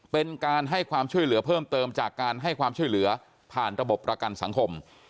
เป็นการให้ความช่วยเหลือเพิ่มเติมจากการให้ความช่วยเหลือผ่านระบบประกันสังคม